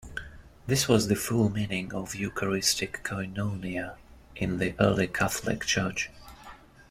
This was the full meaning of eucharistic "koinonia" in the early Catholic Church.